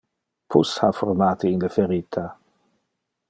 Pus ha formate in le ferita.